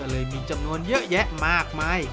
เลยมีจำนวนเยอะแยะมากมาย